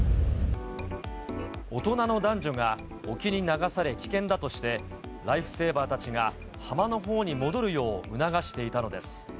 大人の男女が沖に流され、危険だとして、ライフセーバーたちが浜のほうに戻るよう促していたのです。